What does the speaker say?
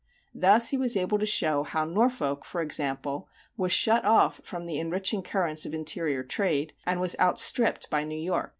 Thus he was able to show how Norfolk, for example, was shut off from the enriching currents of interior trade and was outstripped by New York.